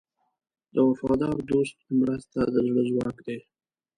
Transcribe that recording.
د وفادار دوست مرسته د زړه ځواک دی.